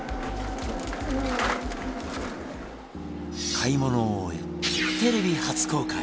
買い物を終えテレビ初公開